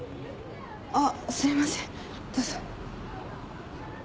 あっすいませんどうぞ。